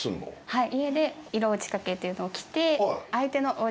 はい。